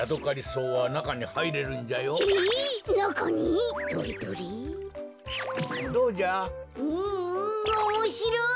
うんうんおもしろい！